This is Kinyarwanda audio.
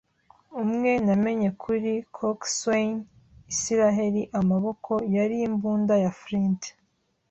Umwe namenye kuri coxswain, Isiraheli Amaboko, yari imbunda ya Flint